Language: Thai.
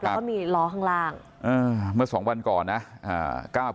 แล้วก็มีล้อข้างล่างอ่าเมื่อสองวันก่อนนะ